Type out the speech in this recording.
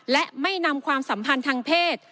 และไม่นำความสัมพันธ์ทางเพศ